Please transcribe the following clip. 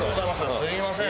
すみません。